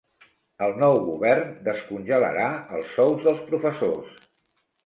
El nou govern descongelarà els sous dels professors.